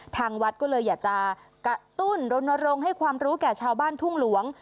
ทางวัดก็เลยอยากจะกระตุ้นรณรงค์ให้ความรู้แก่ชาวบ้านทุ่งหลวง